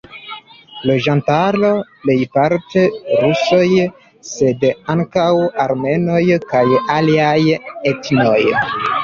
Loĝantaro: plejparte rusoj, sed ankaŭ armenoj kaj aliaj etnoj.